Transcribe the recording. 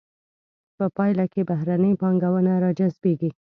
په پایله کې بهرنۍ پانګونه را جذبیږي.